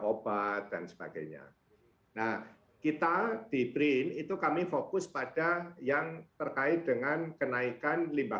obat dan sebagainya nah kita di brin itu kami fokus pada yang terkait dengan kenaikan limbah